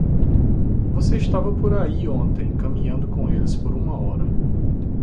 Você estava por aí ontem caminhando com eles por uma hora.